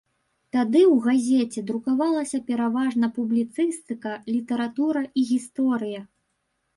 Тады ў газеце друкавалася пераважна публіцыстыка, літаратура і гісторыя.